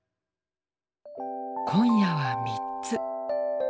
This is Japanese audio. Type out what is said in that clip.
今夜は３つ。